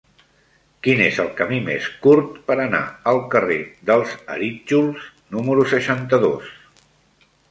Quin és el camí més curt per anar al carrer dels Arítjols número seixanta-dos?